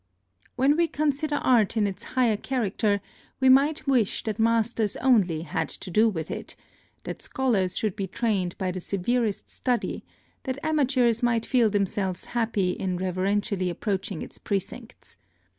When we consider art in its higher character, we might wish that masters only had to do with it, that scholars should be trained by the severest study, that amateurs might feel themselves happy in reverentially approaching its precincts.